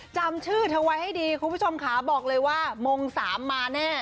จำชื่อเธอไว้ให้ดีคุณผู้ชมขาบอกเลยว่ามงสามมาแน่